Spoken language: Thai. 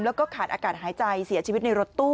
แล้วก็ขาดอากาศหายใจเสียชีวิตในรถตู้